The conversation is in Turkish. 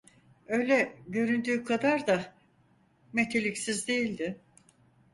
Öyle göründüğü kadar da meteliksiz değildi.